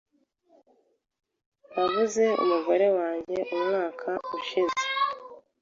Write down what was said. Nabuze umugore wanjye umwaka ushize.